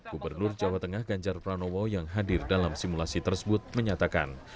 gubernur jawa tengah ganjar pranowo yang hadir dalam simulasi tersebut menyatakan